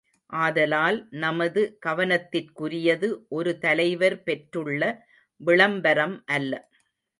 ஆதலால், நமது கவனத்திற்குரியது ஒரு தலைவர் பெற்றுள்ள விளம்பரம் அல்ல.